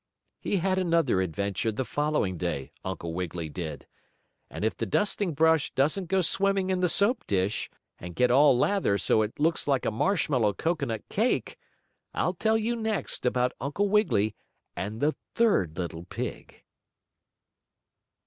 He had another adventure the following day, Uncle Wiggily did. And if the dusting brush doesn't go swimming in the soap dish, and get all lather so that it looks like a marshmallow cocoanut cake, I'll tell you next about Uncle Wiggily and the third little pig.